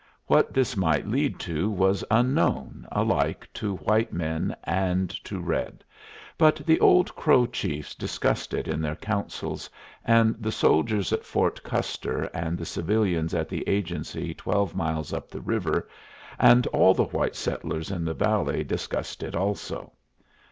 What this might lead to was unknown alike to white man and to red; but the old Crow chiefs discussed it in their councils, and the soldiers at Fort Custer, and the civilians at the agency twelve miles up the river, and all the white settlers in the valley discussed it also.